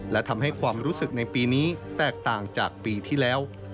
และทำให้ความรู้สึกในปีนี้แตกต่างจากปีที่แล้ว